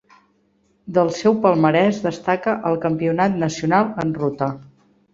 Del seu palmarès destaca el Campionat nacional en ruta.